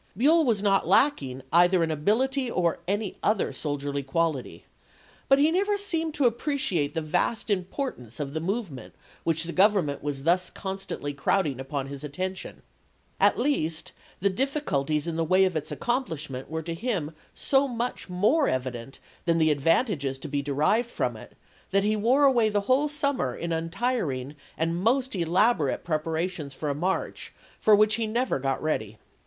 Buell was not lacking, either in ability or any other soldierly quality ; but Vol. VI.— 18 273 274 ABEAHASI LINCOLN ch. XIII. he never seemed to appreciate the vast importance of the movement which the Government was thus constantly crowding upon his attention. At least, the difficulties in the way of its accomplishment were to him so much more evident than the advan tages to be derived from it, that he wore away the whole summer in untiring and most elaborate preparations for a march for which he never got ready.